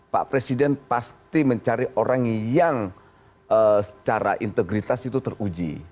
pak presiden pasti mencari orang yang secara integritas itu teruji